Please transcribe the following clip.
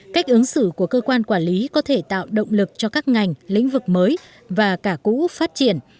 cách ứng xử của cơ quan quản lý có thể tạo động lực cho các ngành lĩnh vực mới và cả cũ phát triển